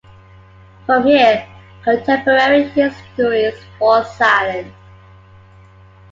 From here, contemporary histories fall silent.